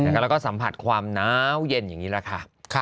แล้วก็สัมผัสความน้าวเย็นอย่างนี้แหละค่ะ